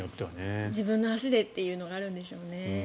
自分の足でというのがあるんでしょうね。